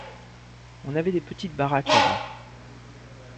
On avait des petites baraques là-bas.